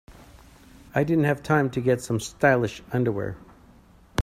I didn't have time to get some stylish underwear.